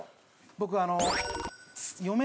僕あの。